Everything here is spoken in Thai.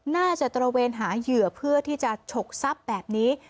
ตระเวนหาเหยื่อเพื่อที่จะฉกทรัพย์แบบนี้